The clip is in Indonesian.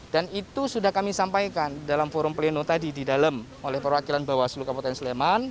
dan itu sudah kami sampaikan dalam forum pleno tadi di dalam oleh perwakilan bawaslu kabupaten sleman